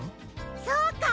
そうか。